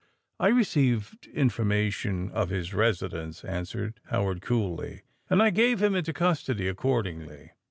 "I received information of his residence," answered Howard coolly; "and I gave him into custody accordingly."